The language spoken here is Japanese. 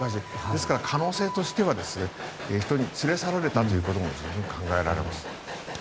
ですから、可能性としては人に連れ去られたということも十分考えられます。